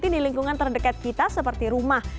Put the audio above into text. di lingkungan terdekat kita seperti rumah